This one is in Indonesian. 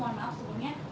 pak baik baik sebentar